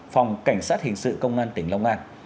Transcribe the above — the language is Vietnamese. phòng cảnh sát hình sự công an tỉnh long an